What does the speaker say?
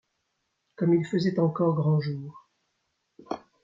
comme il faisait encore grand jour.